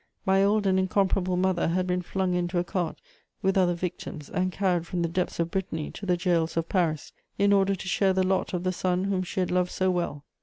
My old and incomparable mother had been flung into a cart with other victims and carried from the depths of Brittany to the gaols of Paris, in order to share the lot of the son whom she had loved so well.